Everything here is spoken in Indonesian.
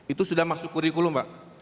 itu sudah masuk kurikulum pak